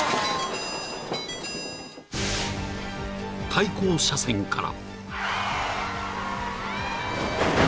［対向車線から］